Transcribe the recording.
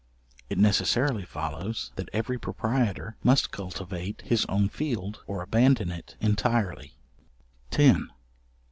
It necessarily follows, that every proprietor must cultivate his own field or abandon it entirely. §10.